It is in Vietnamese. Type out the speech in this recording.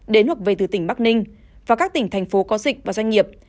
đến hoặc về từ tỉnh bắc ninh và các tỉnh thành phố có dịch và doanh nghiệp